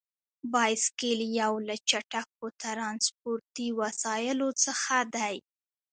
بایسکل یو له چټکو ترانسپورتي وسیلو څخه دی.